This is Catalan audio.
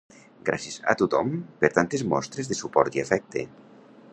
Gràcies a tothom per tantes mostres de suport i afecte.